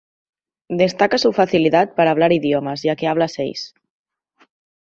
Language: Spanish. Destaca su facilidad para hablar idiomas, ya que habla seis.